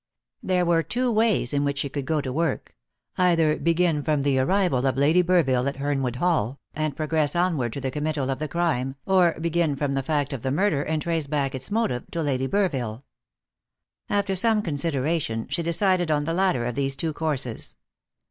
There were two ways in which she could go to work; either begin from the arrival of Lady Burville at Hernwood Hall, and progress onward to the committal of the crime, or begin from the fact of the murder, and trace back its motive to Lady Burville. After some consideration, she decided on the latter of these two courses.